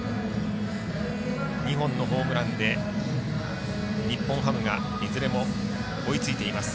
２本のホームランで日本ハムがいずれも追いついています。